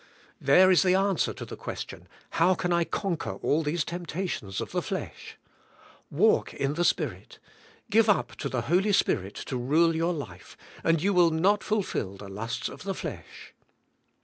There is the answer to the question, how can I conquer all these temptations of the flesh? Walk in the Spirit. Give up to the Holy Spirit to rule your life, and you will not fulfill the lusts of the flesh.